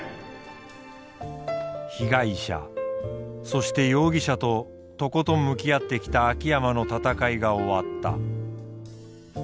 被害者そして容疑者ととことん向き合ってきた秋山の闘いが終わった。